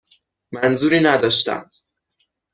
منظوری نداشتم.